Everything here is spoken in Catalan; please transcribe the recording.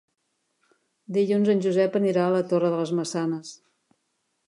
Dilluns en Josep anirà a la Torre de les Maçanes.